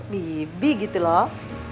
bibi gitu loh